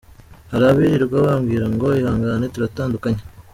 Hari abirirwa bambwira ngo ihangane turatandukanye !